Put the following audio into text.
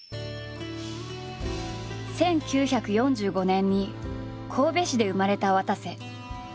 １９４５年に神戸市で生まれたわたせ。